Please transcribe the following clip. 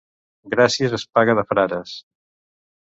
Gràcies és paga de frares.